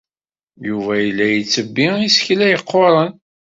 Yuba yella yettebbi isekla yeqquren.